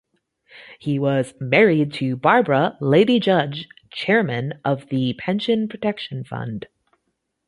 He was married to Barbara, Lady Judge, chairman of the Pension Protection Fund.